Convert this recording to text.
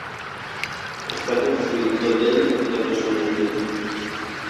Està construït tot ell de maçoneria.